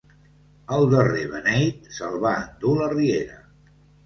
Al darrer beneit, se'l va endur la Riera.